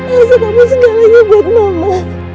asal kamu segalanya buat mama